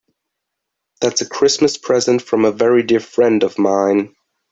That's a Christmas present from a very dear friend of mine.